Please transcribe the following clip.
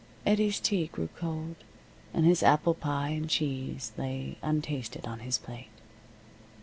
Eddie's tea grew cold, and his apple pie and cheese lay untasted on his plate.